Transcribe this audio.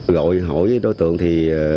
gọi hỏi đối tượng thì